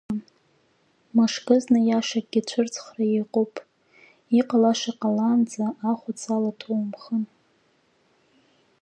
Мышкызны иашакгьы цәырҵхра иҟоуп, иҟалаша ҟалаанӡа ахәац ала ҭумхын!